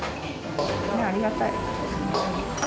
ありがたい。